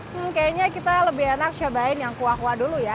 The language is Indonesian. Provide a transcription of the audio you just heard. hmm kayaknya kita lebih enak cobain yang kuah kuah dulu ya